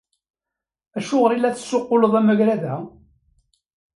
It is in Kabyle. Acuɣer i la tessuqquleḍ amagrad-a?